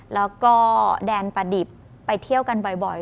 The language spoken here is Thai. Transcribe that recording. แล้วก็แดนประดิบไปเที่ยวกันบ่อย